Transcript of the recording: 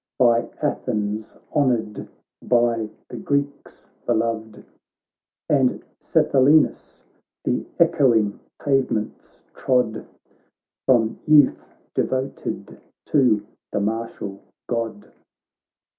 By Athens honoured, by the Greeks be loved : And Sthenelus the echoing pavements trod, From youth devoted to the martial God.